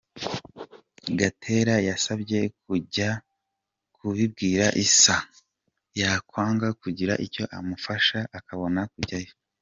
Gatera yansabye kujya kubibwira Issa yakwanga kugira icyo amfasha akabona kujyayo.